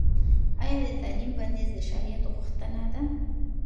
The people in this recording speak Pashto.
ایا د تعلیم بندیز د شرعیت غوښتنه ده؟